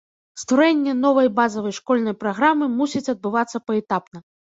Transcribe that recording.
Стварэнне новай базавай школьнай праграмы мусіць адбывацца паэтапна.